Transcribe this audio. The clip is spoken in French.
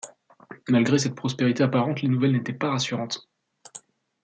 Malgré cette prospérité apparente, les nouvelles n'étaient pas rassurantes.